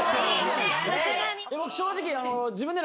僕正直。